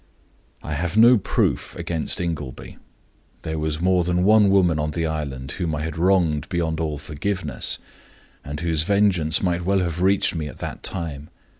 "I have no proof against Ingleby. There was more than one woman on the island whom I had wronged beyond all forgiveness, and whose vengeance might well have reached me at that time.